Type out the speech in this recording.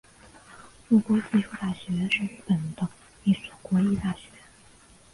筑波技术大学是日本的一所国立大学。